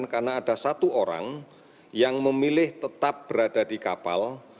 karena ada satu orang yang memilih tetap berada di kapal